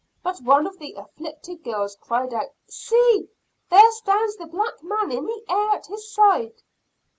But one of the "afflicted girls" cried out, "See! there stands the black man in the air at his side."